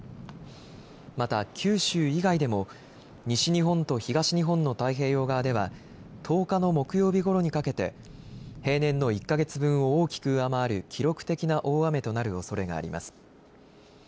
また九州以外でも西日本と東日本の太平洋側では１０日の木曜日ごろにかけて平年の１か月分を大きく上回る記録的な大雨となるおそれがあります。